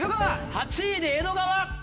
８位で江戸川。